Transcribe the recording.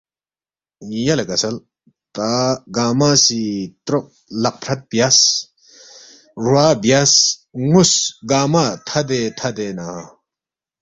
یلے کسل تا گنگمہ سی تروت لقفرت بیاس، روا بیاس، ن٘وُس گنگمہ تھدے تھدے نہ